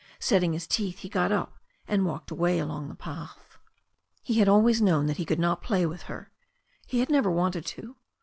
Setting his teeth, he got up, and walked away along the path. He had always known that he could not play with her. He had never wanted to.